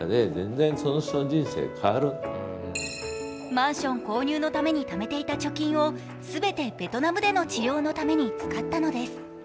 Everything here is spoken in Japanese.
マンション購入のためにためていた貯金を全てベトナムでの治療のために使ったのです。